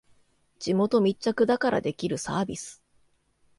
地元密着だからできるサービス